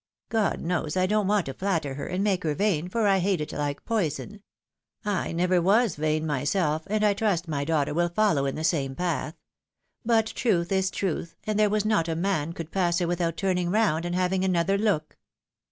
God knows I don't want to flatter her, and make her vain, for I hate it hke poison. I never was vain myself, and I trust my daughter will follow in the same path. But truth is truth, and there was not a man could pass her without turning round, and having another look."